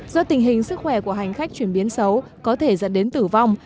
do tình hình sức khỏe của hành khách chuyển biến xấu có thể dẫn đến tử vong